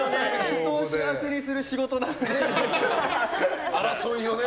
人を幸せにする仕事なのに。